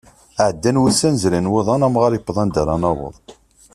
Ɛeddan wussan zrin wuḍan amɣar yewweḍ s anda ara naweḍ.